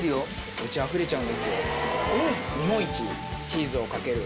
⁉うちあふれちゃうんですよ。